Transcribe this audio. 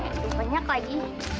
lebih banyak lagi